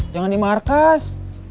jangan di markas